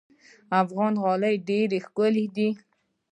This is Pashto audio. افغاني غالۍ ډېرې ښکلې دي.